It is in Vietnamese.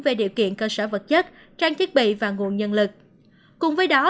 về điều kiện cơ sở vật chất trang chức bị và nguồn nhân lực